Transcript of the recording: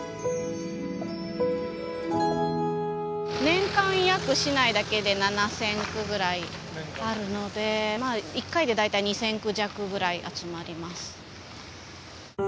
年間約市内だけで７，０００句ぐらいあるのでまあ１回で大体２，０００句弱ぐらい集まります。